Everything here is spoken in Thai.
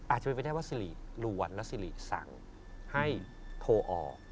อาจจะเป็นไปได้ว่าสิริรวนและสิริสั่งให้โทรออก